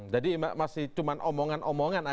jadi masih cuma omongan omongan